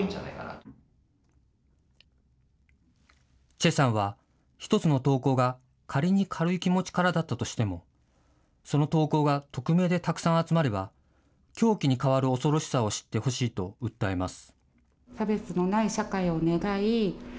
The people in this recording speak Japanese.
崔さんは１つの投稿が仮に軽い気持ちからだったとしてもその投稿が匿名でたくさん集まれば凶器に変わる恐ろしさを知ってほしいと訴えます。